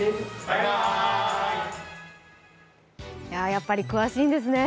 やっぱり詳しいんですね。